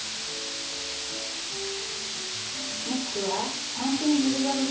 もしくは３点ジグザグ